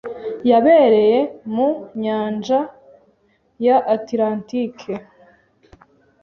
yabereye mu nyanjya ya Atlantique.